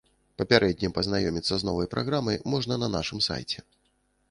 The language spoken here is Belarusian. Папярэдне пазнаёміцца з новай праграмай можна на нашым сайце.